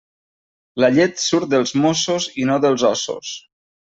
La llet surt dels mossos i no dels ossos.